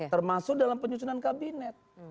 termasuk dalam penyusunan kabinet